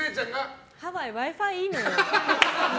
ハワイ、Ｗｉ‐Ｆｉいいのよ。